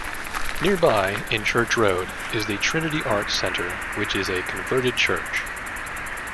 Nearby, in Church Road, is the Trinity Arts Centre which is a converted church.